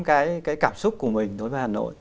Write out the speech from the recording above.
cái cảm xúc của mình đối với hà nội